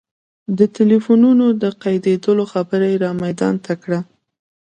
د ټلفونونو د قیدولو خبره را میدان ته کړه.